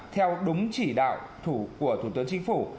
theo đúng chỉ đạo của thủ tướng chính phủ